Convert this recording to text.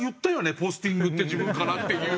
ポスティングって自分からっていう。